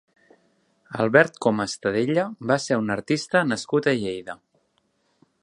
Albert Coma Estadella va ser un artista nascut a Lleida.